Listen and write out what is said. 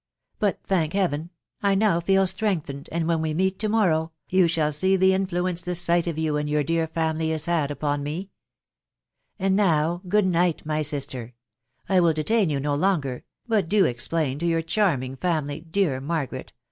But, thank Heaven ! I now foal strengthened, and when we meet: tendsorrow you shall see the taftueno* the sight of you and your dear family has h*£ upon toe* And wcw, good night, my sister !.... I will detain ytm. no longer .... 1ml; do explain to your flharmirig family, dear Margaret